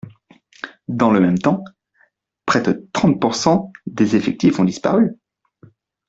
Dans le même temps, près de trente pourcent des effectifs ont disparu.